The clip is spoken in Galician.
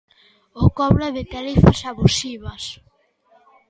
O cobro de tarifas abusivas.